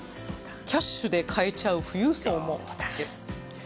キャッシュで買えちゃう富裕層も。